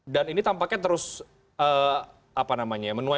dan ini tampaknya terus apa namanya ya